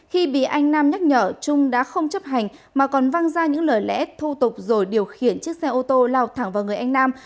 khi bị anh nam nhắc nhở trung đã không chấp hành mà còn văng ra những lời lẽ thô tục rồi điều khiển chiếc xe ô tô lao thẳng vào người anh nam